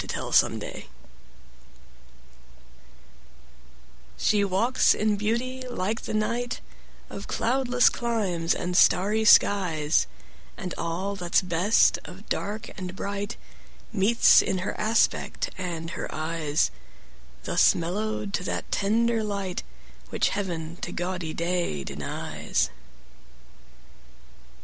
She walks in Beauty SHE walks in beauty, like the night Of cloudless climes and starry skies; And all that 's best of dark and bright Meet in her aspect and her eyes: Thus mellow'd to that tender light 5 Which heaven to gaudy day denies.